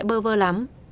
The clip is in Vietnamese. mẹ sẽ bơ vơ lắm